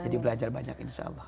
jadi belajar banyak insya allah